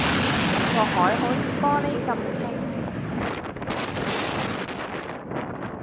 個海好似玻璃噉清